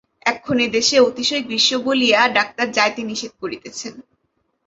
এক্ষণে দেশে অতিশয় গ্রীষ্ম বলিয়া ডাক্তার যাইতে নিষেধ করিতেছেন।